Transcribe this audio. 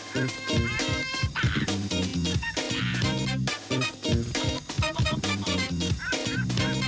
ปุ๊บ